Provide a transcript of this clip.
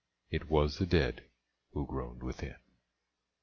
It was the dead who groaned within.